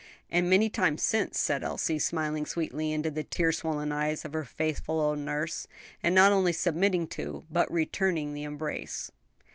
"And many times since," said Elsie, smiling sweetly into the tear swollen eyes of her faithful old nurse, and not only submitting to, but returning the embrace.